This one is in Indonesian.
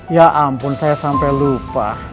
ya ampun saya sampai lupa